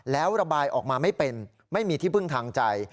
แล้วระบายออกมาไม่เป็นไม่มีที่พึ่งทางใจ